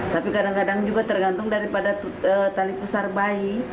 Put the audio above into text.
tapi kadang kadang juga tergantung daripada tali pusar bayi